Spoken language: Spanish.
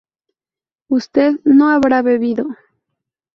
¿usted no habrá bebido?